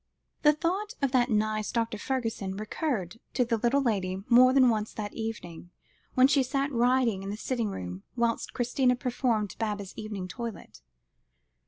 The thought of "that nice Dr. Fergusson" recurred to the little lady more than once that evening, when she sat writing in the sitting room, whilst Christina performed Baba's evening toilette.